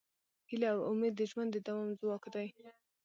هیله او امید د ژوند د دوام ځواک دی.